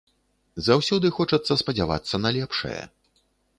Заўсёды хочацца спадзявацца на лепшае.